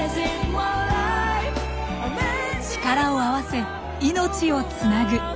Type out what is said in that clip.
力を合わせ命をつなぐ。